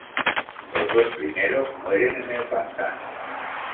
Los dos primeros mueren en el pantano.